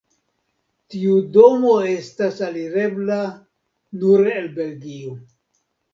Tiu domo estas alirebla nur el Belgio.